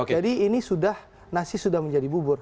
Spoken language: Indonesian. jadi ini sudah nasi sudah menjadi bubur